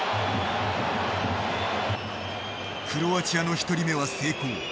クロアチアの１人目は成功。